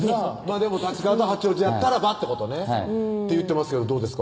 でも立川と八王子やったらばってことねって言ってますけどどうですか？